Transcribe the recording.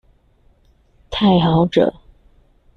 太好惹